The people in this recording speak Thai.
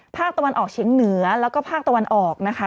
ภาคตะวันออกเฉียงเหนือแล้วก็ภาคตะวันออกนะคะ